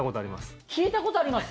聞いたことあります。